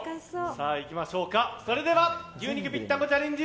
それでは牛肉ぴったんこチャレンジ